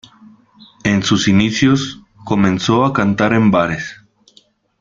En sus inicios comenzó a cantar en bares.